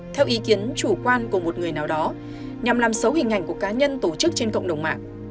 theo ý kiến chủ quan của một người nào đó nhằm làm xấu hình ảnh của cá nhân tổ chức trên cộng đồng mạng